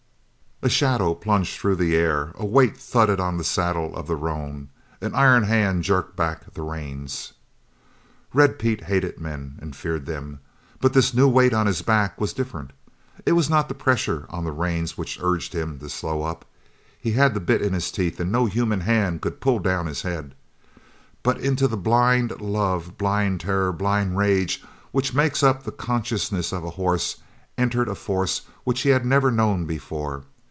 A shadow plunged through the air; a weight thudded on the saddle of the roan; an iron hand jerked back the reins. Red Pete hated men and feared them, but this new weight on his back was different. It was not the pressure on the reins which urged him to slow up; he had the bit in his teeth and no human hand could pull down his head; but into the blind love, blind terror, blind rage which makes up the consciousness of a horse entered a force which he had never known before.